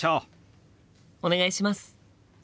お願いします！